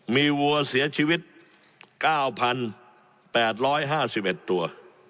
มีวัวเสียชีวิต๙๘๕๑ตัว